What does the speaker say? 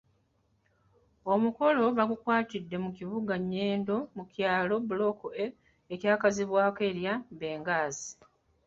Omukolo baagukwatidde mu kibuga Nyendo ku kyalo Block A ekyakazibwako erya Benghazi.